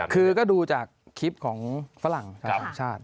คือก็ดูจากคลิปของฝรั่งชาติ